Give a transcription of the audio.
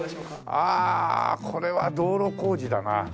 あこれは道路工事だな。